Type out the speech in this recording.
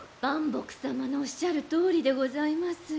伴卜様のおっしゃるとおりでございますよ。